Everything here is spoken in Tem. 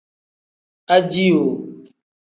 Ajihoo.